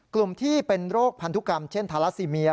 กลุ่มที่เป็นโรคพันธุกรรมเช่นทาราซีเมีย